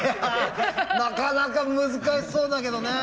なかなか難しそうだけどね。